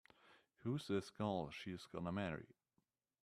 Who's this gal she's gonna marry?